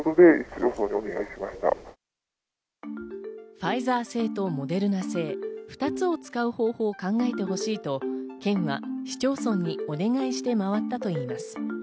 ファイザー製とモデルナ製、２つを使う方法を考えてほしいと県は市町村にお願いして回ったといいます。